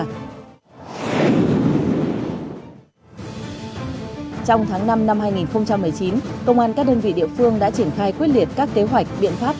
trong tháng năm năm hai nghìn một mươi chín công an các đơn vị địa phương đã triển khai quyết liệt các kế hoạch biện pháp